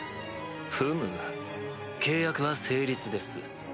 ふむ契約は成立です。